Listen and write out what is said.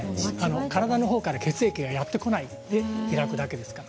体の方から血液がやってこない、開くだけですから。